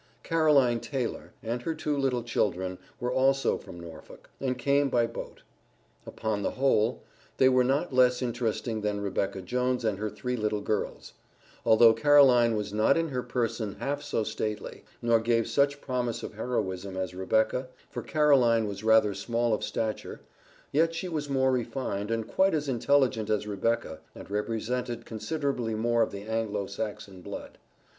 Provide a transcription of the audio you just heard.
Caroline Taylor, and her two little children, were also from Norfolk, and came by boat. Upon the whole, they were not less interesting than Rebecca Jones and her three little girls. Although Caroline was not in her person half so stately, nor gave such promise of heroism as Rebecca for Caroline was rather small of stature yet she was more refined, and quite as intelligent as Rebecca, and represented considerably more of the Anglo Saxon blood.